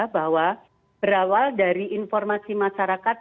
bahwa berawal dari informasi masyarakat